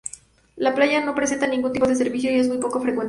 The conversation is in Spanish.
La playa no presenta ningún tipo de servicio y es muy poco frecuentada.